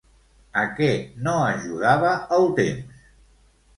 A què no ajudava el temps?